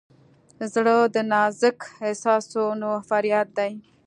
زړه د نازک احساسونو فریاد دی.